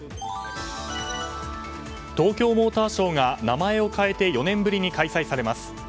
東京モーターショーが名前を変えて４年ぶりに開催されます。